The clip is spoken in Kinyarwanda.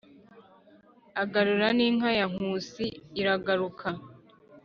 agarura n’inka ya nkusi iragaruka.